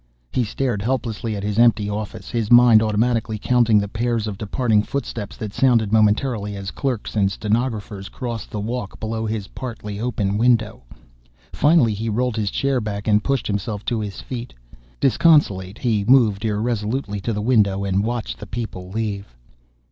He stared helplessly at his empty office, his mind automatically counting the pairs of departing footsteps that sounded momentarily as clerks and stenographers crossed the walk below his partly open window. Finally he rolled his chair back and pushed himself to his feet. Disconsolate, he moved irresolutely to the window and watched the people leave.